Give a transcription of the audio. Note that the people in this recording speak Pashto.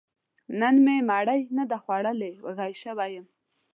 نن مې مړۍ نه ده خوړلې، وږی شوی يم